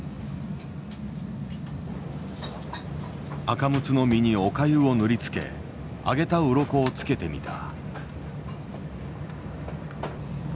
アカムツの身におかゆを塗りつけ揚げたうろこを付けてみた。